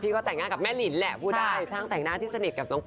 ก็แต่งหน้ากับแม่ลินแหละพูดได้ช่างแต่งหน้าที่สนิทกับน้อง